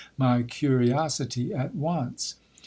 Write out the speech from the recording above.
143 my curiosity at once.